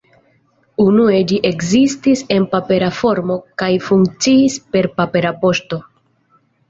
Unue ĝi ekzistis en papera formo kaj funkciis per papera poŝto.